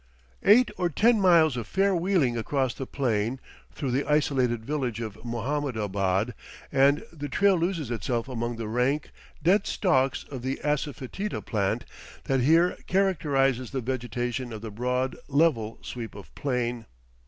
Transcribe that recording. Eight or ten miles of fair wheeling across the plain, through the isolated village of Mohammedabad, and the trail loses itself among the rank, dead stalks of the assafoetida plant that here characterizes the vegetation of the broad, level sweep of plain.